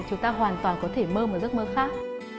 chúng ta hoàn toàn có thể mơ một giấc mơ khác